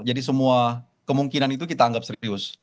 jadi semua kemungkinan itu kita anggap serius